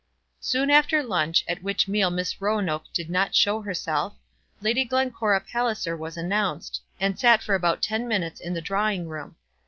Soon after lunch, at which meal Miss Roanoke did not show herself, Lady Glencora Palliser was announced, and sat for about ten minutes in the drawing room.